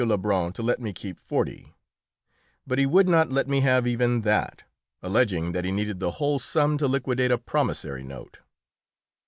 Lebrun to let me keep forty; but he would not let me have even that, alleging that he needed the whole sum to liquidate a promissory note.